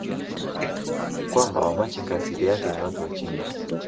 kwamba Wamachinga asili yake ni Watu wa chinga